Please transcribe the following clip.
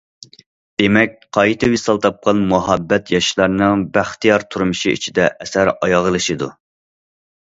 دېمەك، قايتا ۋىسال تاپقان مۇھەببەت ياشلارنىڭ بەختىيار تۇرمۇشى ئىچىدە ئەسەر ئاياغلىشىدۇ.